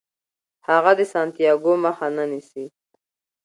هغه د سانتیاګو مخه نه نیسي.